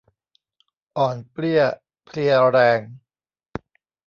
อ่อนเปลี้ยเพลียแรง